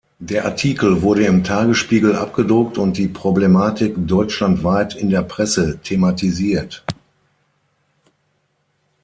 Der Artikel wurde im Tagesspiegel abgedruckt und die Problematik deutschlandweit in der Presse thematisiert.